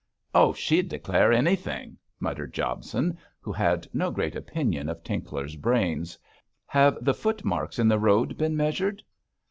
'Oh, she'd declare anything,' muttered Jobson, who had no great opinion of Tinkler's brains. 'Have the footmarks in the road been measured?'